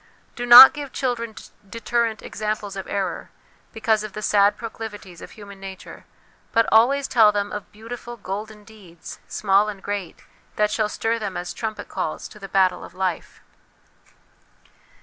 Do not give children deterrent examples of error, because of the sad proclivities of human nature, but always tell them of beautiful ' Golden Deeds/ small and great, that shall stir them as trumpet calls to the battle of life.